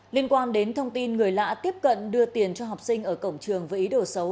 liên quan đến thông tin người lạ tiếp cận đưa tiền cho học sinh ở cổng trường với ý đồ xấu